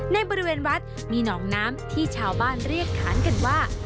ในบริเวณวัดมีหนองน้ำที่ชาวบ้านเรียกขานกันว่า